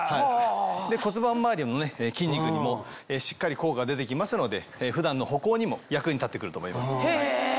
骨盤周りの筋肉にもしっかり効果が出て来ますので普段の歩行にも役に立って来ると思います。